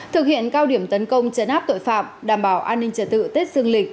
thực hiện cao điểm tấn công chấn áp tội phạm đảm bảo an ninh trật tự tết dương lịch